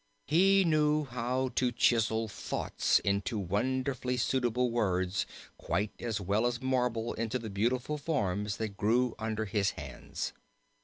He knew how to chisel thoughts into wonderfully suitable words quite as well as marble into the beautiful forms that grew under his hands.